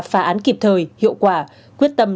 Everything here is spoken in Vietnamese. phá án kịp thời hiệu quả quyết tâm